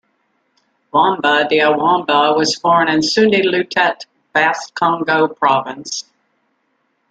Wamba dia Wamba was born in Sundi-Lutete, Bas-Congo Province.